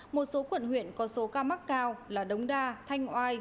một số quận huyện có số ca mắc cao là đống đa thanh oai